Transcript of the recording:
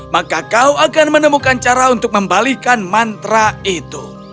maka kau akan menemukan cara untuk membalikan mantra itu